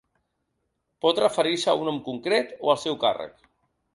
Pot referir-se a un nom concret o al seu càrrec.